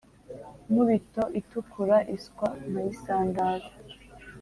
Nkubito itikura iswa nkayisandaza,